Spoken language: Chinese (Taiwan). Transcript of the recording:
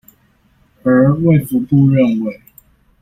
而衛福部認為